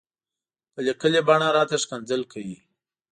په ليکلې بڼه راته ښکنځل کوي.